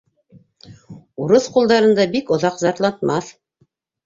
Урыҫ ҡулдарында бик оҙаҡ зарлатмаҫ.